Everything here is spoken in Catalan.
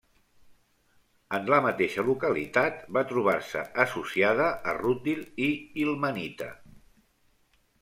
En la mateixa localitat va trobar-se associada a rútil i ilmenita.